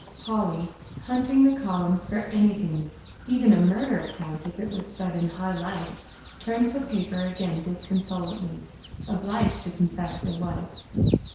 Polly, hunting the columns for anything, even a murder account if it was but in high life, turned the paper again disconsolately, obliged to confess it was.